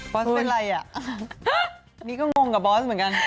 อสเป็นอะไรอ่ะนี่ก็งงกับบอสเหมือนกัน